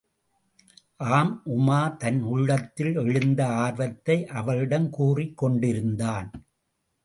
ஆம் உமார் தன் உள்ளத்தில் எழுந்த ஆர்வத்தை அவளிடம் கூறிக் கொண்டிருந்தான்.